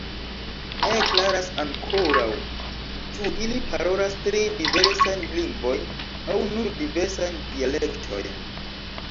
Ne klaras ankoraŭ, ĉu ili parolas tri diversajn lingvojn aŭ nur diversajn dialektojn.